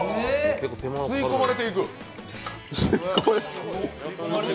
吸い込まれていく！